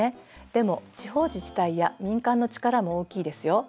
でも地方自治体や民間の力も大きいですよ。